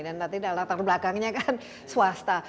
dan latar belakangnya kan swasta